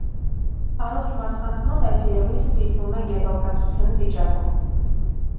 Առողջ մարդկանց մոտ այս երևույթը դիտվում է գերհոգնածություն վիճակում։